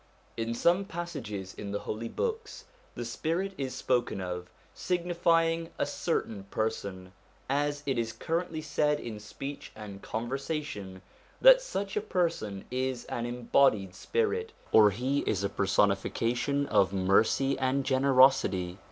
In some passages in the Holy Books the Spirit is spoken of, signifying a certain person ; as it is currently said in speech and conversation that such a person is an embodied spirit, or he is a personification of mercy and generosity.